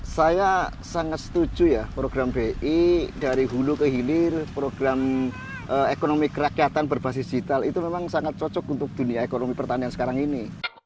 saya sangat setuju ya program bi dari hulu ke hilir program ekonomi kerakyatan berbasis digital itu memang sangat cocok untuk dunia ekonomi pertanian sekarang ini